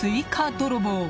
泥棒。